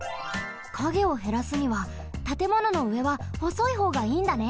カゲをへらすにはたてもののうえはほそいほうがいいんだね。